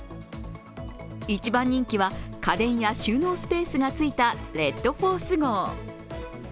一番人気は、家電や収納スペースがついたレッドフォース号。